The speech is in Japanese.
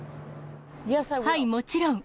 はい、もちろん。